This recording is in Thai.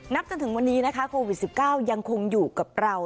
จนถึงวันนี้นะคะโควิด๑๙ยังคงอยู่กับเรา